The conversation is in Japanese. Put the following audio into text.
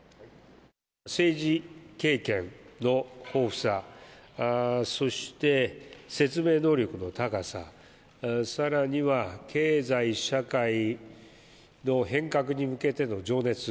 政治経験の豊富さ、そして説明能力の高さ、さらには経済社会の変革に向けての情熱。